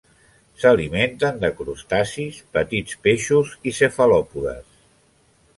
S'alimenten de crustacis, petits peixos i cefalòpodes.